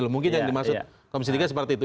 mungkin yang dimaksud komisi tiga seperti itu